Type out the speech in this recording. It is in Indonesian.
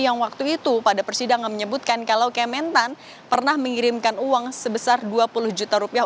yang waktu itu pada persidangan menyebutkan kalau kementan pernah mengirimkan uang sebesar dua puluh juta rupiah